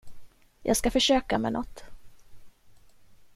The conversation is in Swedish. Jag ska försöka med något.